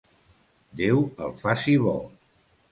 Déu el faci bo.